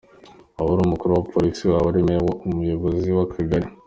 Waba uri Umukuru wa Polisi, waba uri Meya, umuyobozi w’akagari.